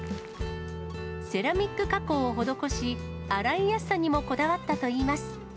セラミック加工を施し、洗いやすさにもこだわったといいます。